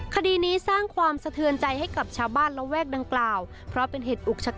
คดีนี้สร้างความสะเทือนใจให้กับชาวบ้านระแวกดังกล่าวเพราะเป็นเหตุอุกชะกัน